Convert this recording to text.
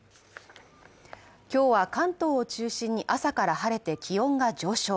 今日は関東を中心に朝から晴れて気温が上昇。